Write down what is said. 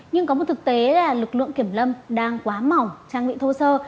nhưng có một thực tế là lực lượng kiểm lâm đang quá mỏng trang bị thô sơ